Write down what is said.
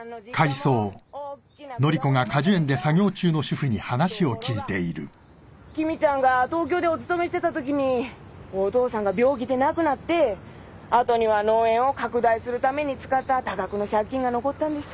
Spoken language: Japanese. ところが君ちゃんが東京でお勤めしてた時にお父さんが病気で亡くなって後には農園を拡大するために使った多額の借金が残ったんです。